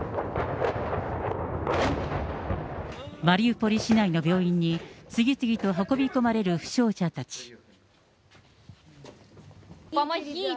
マリウポリ市内の病院に、次々と運び込まれる負傷者たち。